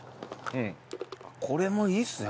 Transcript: これもいいですね